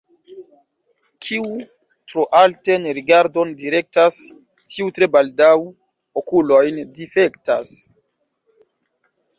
Kiu tro alten rigardon direktas, tiu tre baldaŭ okulojn difektas.